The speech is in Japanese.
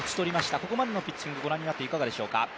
ここまでのピッチング、ご覧になっていかがでしょうか。